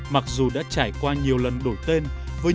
mặc dù đã trải qua nhiều lần đổi tên